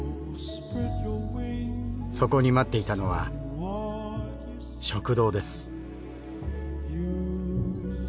そこに待っていたのは食堂です。